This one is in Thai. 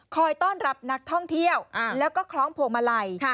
ต้อนรับนักท่องเที่ยวแล้วก็คล้องพวงมาลัย